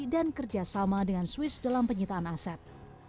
dan kerjasama dengan swiss dalam penyitaan aset